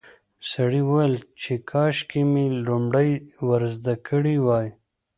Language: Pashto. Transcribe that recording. سړي وویل چې کاشکې مې لومړی ور زده کړي وای.